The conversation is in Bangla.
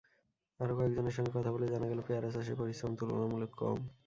আরও কয়েকজনের সঙ্গে কথা বলে জানা গেল, পেয়ারা চাষে পরিশ্রম তুলনামূলক কম।